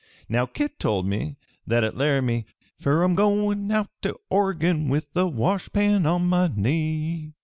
Now Kit told me, that at Laramie " "Fer I'm goin' out to Oregon, with my wash pan on my knee!"